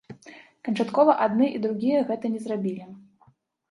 Канчаткова адны і другія гэта не зрабілі.